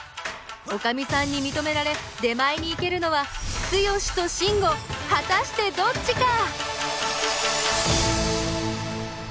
おかみさんにみとめられ出前に行けるのはツヨシとシンゴ果たしてどっちか！？